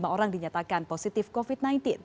lima orang dinyatakan positif covid sembilan belas